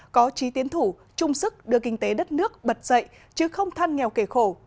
có trí tiến thủ chung sức đưa kinh tế đất nước bật dậy chứ không than nghèo kề khổ